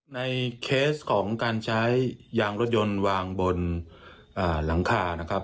เคสของการใช้ยางรถยนต์วางบนหลังคานะครับ